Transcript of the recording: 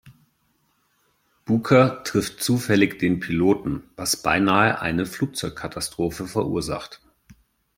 Booker trifft zufällig den Piloten, was beinahe eine Flugzeugkatastrophe verursacht.